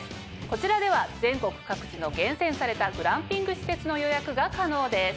こちらでは全国各地の厳選されたグランピング施設の予約が可能です。